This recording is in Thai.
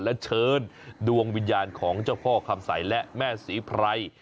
และเชิญดวงวิญญาณของเจ้าพ่อคำใสและแม่ศรีไพร